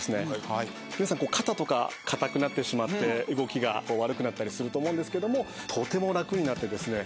皆さんこう肩とか硬くなってしまって動きが悪くなったりすると思うんですけどもとても楽になってですね